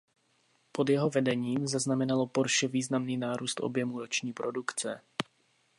Pod jeho vedením zaznamenalo Porsche významný nárůst objemu roční produkce.